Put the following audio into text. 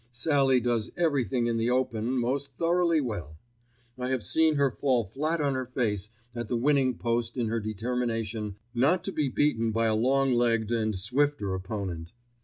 Sallie does everything in the open most thoroughly well. I have seen her fall flat on her face at the winning post in her determination not to be beaten by a longer legged and swifter opponent.